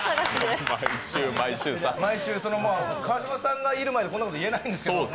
毎週、川島さんがいる前でそんなこと言えないんですけど。